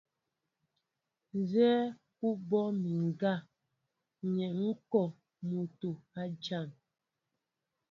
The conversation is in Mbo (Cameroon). Nzɛ́ɛ́ ú bɔ mi ŋgá nɛ́ ŋ̀ kɔ motó a jan.